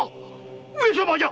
上様じゃ！